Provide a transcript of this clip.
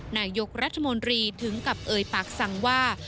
นายกรัฐมนตรีถึงกับเอ่ยปากสั่งว่า